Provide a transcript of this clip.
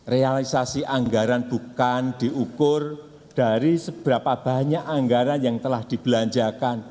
realisasi anggaran bukan diukur dari seberapa banyak anggaran yang telah dibelanjakan